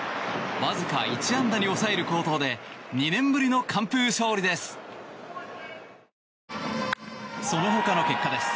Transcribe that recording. わずか１安打に抑える好投で２年ぶりの完封勝利です。